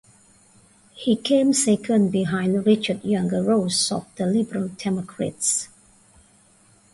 He came second behind Richard Younger-Ross of the Liberal Democrats.